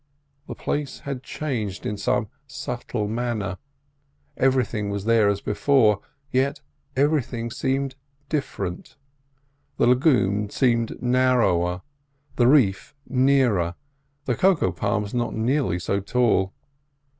The place had changed in some subtle manner; everything was there as before, yet everything seemed different—the lagoon seemed narrower, the reef nearer, the cocoa palms not nearly so tall.